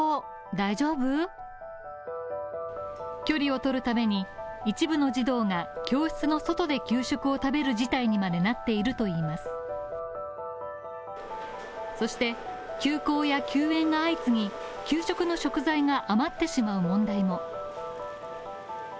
距離をとるために、一部の児童が教室の外で給食を食べる事態にまでなっているといいますそして、休校や休園が相次ぎ、給食の食材が余ってしまう問題も。